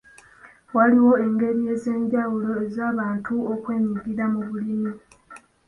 Waliwo engeri ez'enjawulo ez'abantu okwenyigira mu bulimi.